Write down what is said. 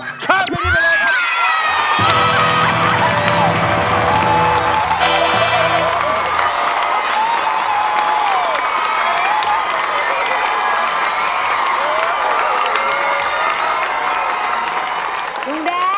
ข้ามเพลงนี้ไปเลยครับ